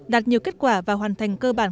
đạt nhiều kết quả và hoàn thành cơ bản